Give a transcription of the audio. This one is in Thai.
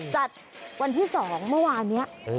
จัดวันที่๒เมื่อวานนี้